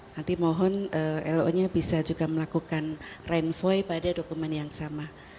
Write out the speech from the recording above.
nanti mohon lo nya bisa juga melakukan renvoy pada dokumen yang sama